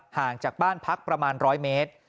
ห่างจากบ้านพักประมาณ๑๐๐เมตร